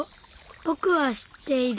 ぼくは知っている。